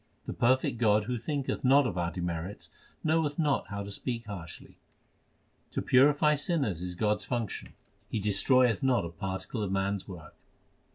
The perfect God who thinketh not of our demerits, knoweth not how to speak harshly. To purify sinners is God s function ; He destroyeth not a particle of man s work.